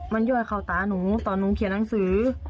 มันย่อยเข้าตาหนูตอนหนูเขียนหนังสือ